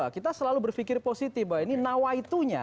kita selalu berpikir positif bahwa ini nawaitunya